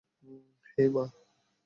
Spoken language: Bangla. হেই, মা!